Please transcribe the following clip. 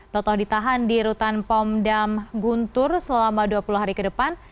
totoh ditahan di rutan pondam guntur selama dua puluh hari ke depan